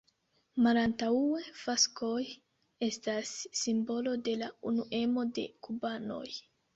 Malantaŭe faskoj estas simbolo de la unuemo de kubanoj.